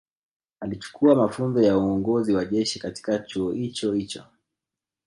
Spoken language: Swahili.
Alichukua mafunzo ya uongozi wa jeshi katika chuo hicho hicho